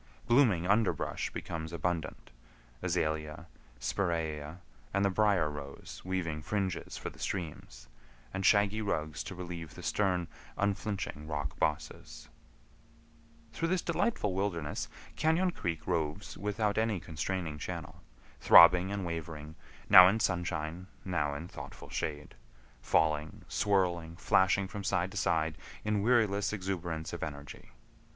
Blooming underbrush becomes abundant,—azalea, spiraea, and the brier rose weaving fringes for the streams, and shaggy rugs to relieve the stern, unflinching rock bosses. [Illustration: RANCHERIA FALLS, HETCH HETCHY VALLEY] Through this delightful wilderness, Cañon Creek roves without any constraining channel, throbbing and wavering; now in sunshine, now in thoughtful shade; falling, swirling, flashing from side to side in weariless exuberance of energy.